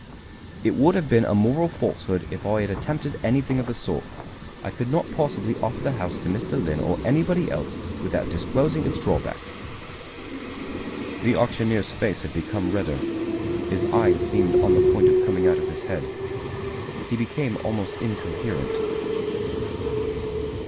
"It would have been a moral falsehood if I had attempted anything of the sort. I could not possibly offer the house to Mr. Lynn or anybody else, without disclosing its drawbacks." The auctioneer's face had become redder. His eyes seemed on the point of coming out of his head. He became almost incoherent.